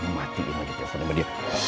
mati dia lagi